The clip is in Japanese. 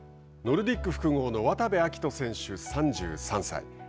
ノルディック複合の渡部暁斗選手３３歳。